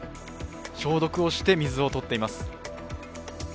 消毒をして水を取っています。